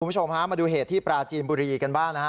คุณผู้ชมฮะมาดูเหตุที่ปราจีนบุรีกันบ้างนะฮะ